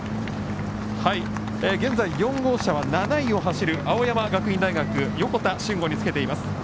現在、４号車は７位を走る青山学院大学の横田俊吾につけています。